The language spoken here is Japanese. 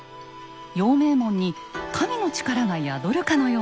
陽明門に神の力が宿るかのようです。